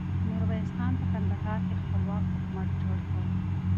ميرويس خان په کندهار کې خپلواک حکومت جوړ کړ.